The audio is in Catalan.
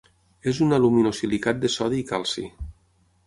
És un aluminosilicat de sodi i calci.